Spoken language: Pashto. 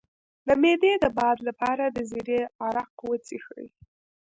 د معدې د باد لپاره د زیرې عرق وڅښئ